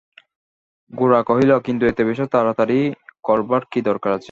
গোরা কহিল, কিন্তু এত বেশি তাড়াতাড়ি করবার কী দরকার আছে?